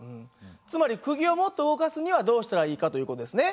つまりくぎをもっと動かすにはどうしたらいいかという事ですね。